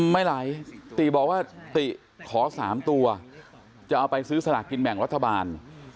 ไม่ไหวติบอกว่าติขอ๓ตัวจะเอาไปซื้อสลากกินแบ่งรัฐบาล